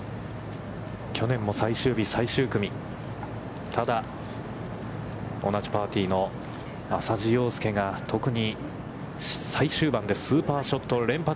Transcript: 去年も最終日最終組、ただ、同じパーティーの浅地洋佑が特に最終盤でスーパーショット連発。